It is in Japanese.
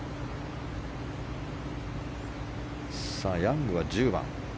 ヤングは１０番。